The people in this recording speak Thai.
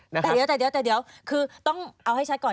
แต่เดี๋ยวคือต้องเอาให้ชัดก่อน